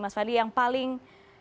mas fadli yang paling